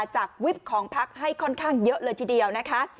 จากวิบพลังประชารัฐทำของพักพลังประชารัฐให้ค่อนข้างเยอะเลยทีเดียวนะคะ